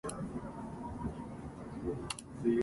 北海道赤平市